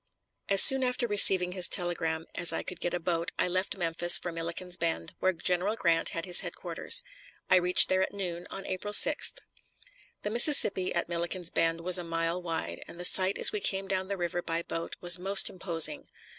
As soon after receiving his telegram as I could get a boat I left Memphis for Milliken's Bend, where General Grant had his headquarters. I reached there at noon on April 6th. The Mississippi at Milliken's Bend was a mile wide, and the sight as we came down the river by boat was most imposing.